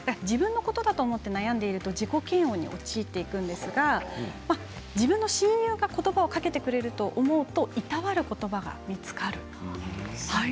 自分のことだと思って悩んでいると自己嫌悪に陥っていくんですが自分の親友がことばをかけてくれると思うといたわることばが見つかる。